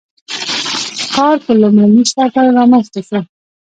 ښکار په لومړني شکل رامنځته شو.